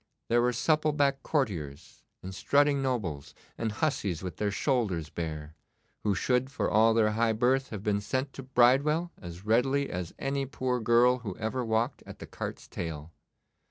There were supple backed courtiers, and strutting nobles, and hussies with their shoulders bare, who should for all their high birth have been sent to Bridewell as readily as any poor girl who ever walked at the cart's tail.